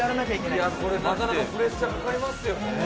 なかなかプレッシャーかかりますよ。